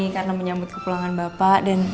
karena menyambut ke pulangan bapak